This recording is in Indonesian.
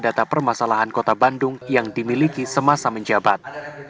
data permasalahan kota bandung yang dimiliki semasa menjabat